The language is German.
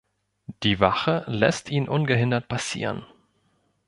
Die Wache lässt ihn ungehindert passieren.